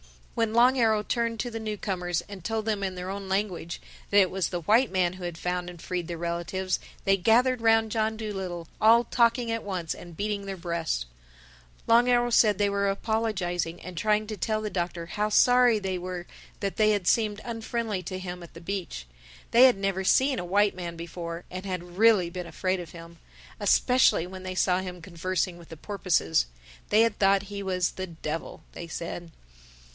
When Long Arrow turned to the newcomers and told them in their own language that it was the white man who had found and freed their relatives, they gathered round John Dolittle, all talking at once and beating their breasts. Long Arrow said they were apologizing and trying to tell the Doctor how sorry they were that they had seemed unfriendly to him at the beach. They had never seen a white man before and had really been afraid of him—especially when they saw him conversing with the porpoises. They had thought he was the Devil, they said.